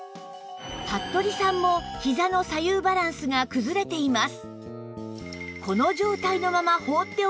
服部さんもひざの左右バランスが崩れています